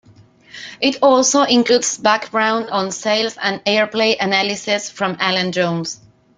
It also includes background on sales and airplay analysis from Alan Jones.